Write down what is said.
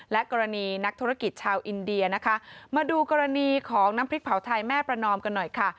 และกรณีนักธุรกิจชาวอินเดียนะคะมาดูกรณีของน้ำพริกเผาไทยแม่ประนอมกันหน่อยค่ะ